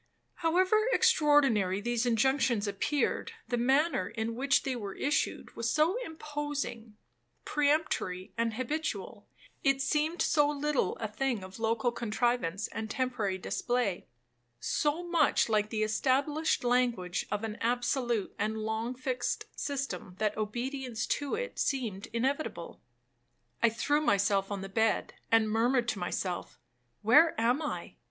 However extraordinary these injunctions appeared, the manner in which they were issued was so imposing, peremptory, and habitual,—it seemed so little a thing of local contrivance and temporary display,—so much like the established language of an absolute and long fixed system, that obedience to it seemed inevitable. I threw myself on the bed, and murmured to myself, 'Where am I?'